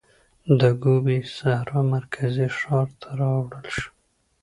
د ګوبي سحرا مرکزي ښار ته راوړل شو.